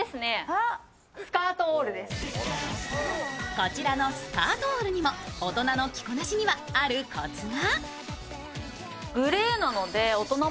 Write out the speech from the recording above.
こちらのスカートオールにも大人の着こなしにはあるこつが。